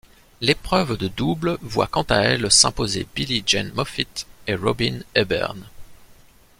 L'épreuve de double voit quant à elle s'imposer Billie Jean Moffitt et Robyn Ebbern.